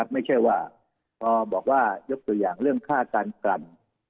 ไม่ใช่ว่าพอบอกว่ายกตัวอย่างเรื่องค่าการกลั่น